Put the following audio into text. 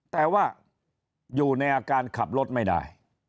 แต่ว่าอยู่ในอาการขับรถไม่ได้